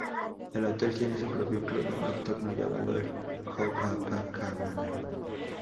El hotel tiene su propio club nocturno llamado el Copacabana.